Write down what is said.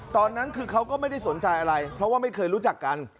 ตอนนั้นคือเขาก็ไม่ได้สนใจอะไรเพราะว่าไม่เคยรู้จักกัน